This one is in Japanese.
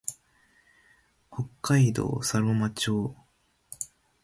北海道佐呂間町